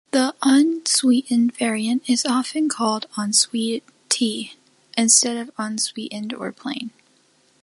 The unsweetened variant is often called "unsweet" tea instead of unsweetened or plain.